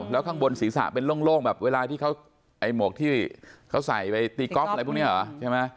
แล้วข้างบนศีรษะเป็นโล่งแบบเวลาที่เขาไอ้หมวกที่เขาใส่ไปตีก๊อฟอะไรพวกนี้เหรอใช่ไหม